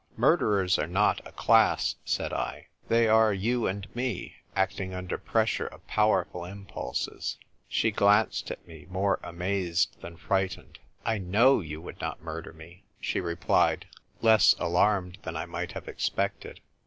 " "Murderers are not a class," said I. "They are you and me, acting under pressure of powerful impulses." She glanced at me, more amazed than fright ened. " I knozv you would not murder me," she replied, less alarmed than I might have expected.